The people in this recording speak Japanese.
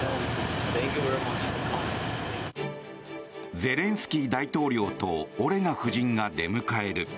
ゼレンスキー大統領とオレナ夫人が出迎える。